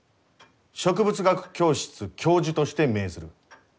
植物学教室教授として命ずる。